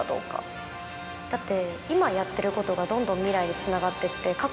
だって。